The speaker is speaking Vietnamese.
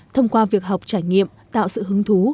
thông qua việc học trải nghiệm tạo sự hứng thú